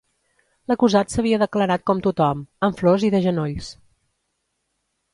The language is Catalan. L'acusat s'havia declarat com tothom, amb flors i de genolls.